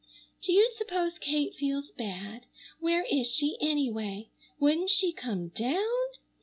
Do you s'pose Kate feels bad? Where is she anyway? Wouldn't she come down?